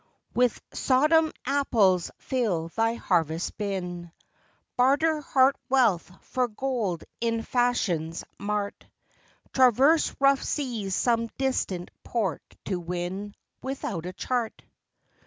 With Sodom apples fill thy harvest bin ; Barter heart wealth for gold in Fashion's mart ; Traverse rough seas some distant port to win, Without a chart.